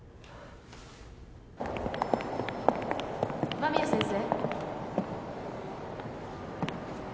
・間宮先生。